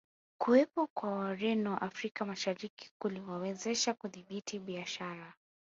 Kuwepo kwa Wareno Afrika Mashariki kuliwawezesha kudhibiti biashara